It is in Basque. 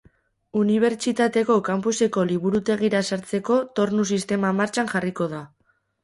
Unibertistateko campuseko Liburutegira sartzeko tornu sistema martxan jarriko da.